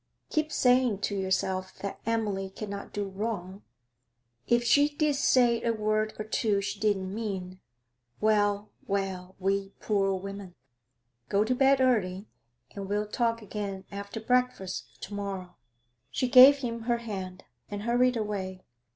Keep saying to yourself that Emily cannot do wrong; if she did say a word or two she didn't mean well, well, we poor women! Go to bed early, and we'll talk again after breakfast to morrow.' She gave him her hand, and hurried away.